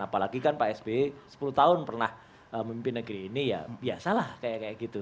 apalagi kan pak sby sepuluh tahun pernah memimpin negeri ini ya biasalah kayak gitu